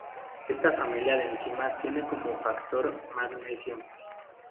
Esta familia de enzimas tiene como cofactor magnesio.